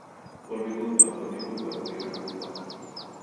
por mi culpa, por mi culpa, por mi gran culpa.